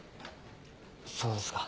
そうですか。